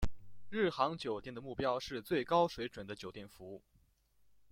日航酒店的目标是最高水准的酒店服务。